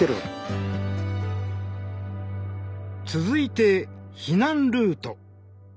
続いて避難ルート。